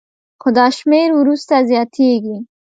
خو دا شمېر وروسته زیاتېږي